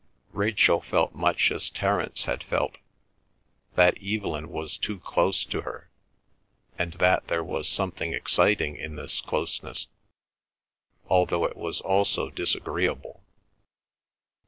Rachel felt much as Terence had felt that Evelyn was too close to her, and that there was something exciting in this closeness, although it was also disagreeable.